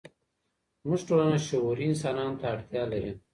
زموږ ټولنه شعوري انسانانو ته اړتيا لري.